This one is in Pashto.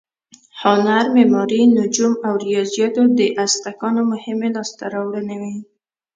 هنر، معماري، نجوم او ریاضیاتو د ازتکانو مهمې لاسته راوړنې وې.